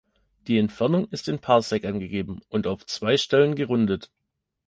Die Entfernung ist in Parsec angegeben und auf zwei Stellen gerundet.